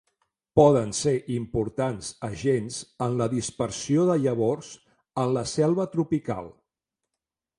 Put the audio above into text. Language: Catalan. Poden ser importants agents en la dispersió de llavors en la selva tropical.